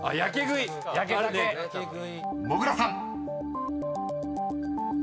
［もぐらさん］